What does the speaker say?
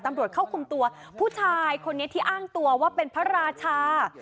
ตำรวจเข้าคุมตัวผู้ชายคนนี้ที่อ้างตัวว่าเป็นพระราชา